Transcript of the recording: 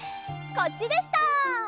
こっちでした！